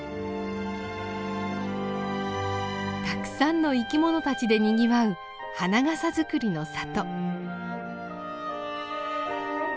たくさんの生きものたちでにぎわう花笠作りの里。